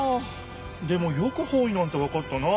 でもよく方位なんてわかったな。